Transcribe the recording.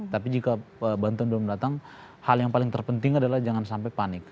tapi jika bantuan belum datang hal yang paling terpenting adalah jangan sampai panik